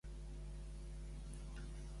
Com es va mostrar respecte de la tauromàquia?